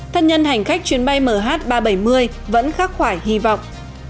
thân nhân hành khách chuyến bay mh ba trăm bảy mươi vẫn khắc khoải hy vọng